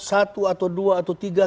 satu atau dua atau tiga